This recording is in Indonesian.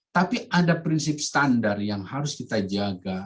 tapi ada prinsip standar yang harus kita jaga